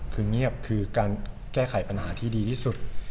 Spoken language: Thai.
คือเงียบคือการแก้ไขปัญหาที่ดีที่สุด